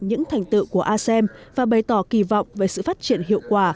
những thành tựu của asem và bày tỏ kỳ vọng về sự phát triển hiệu quả